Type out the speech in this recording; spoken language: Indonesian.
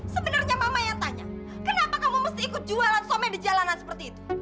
sebenarnya mama yang tanya kenapa kamu mesti ikut jualan some di jalanan seperti itu